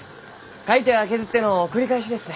描いては削っての繰り返しですね。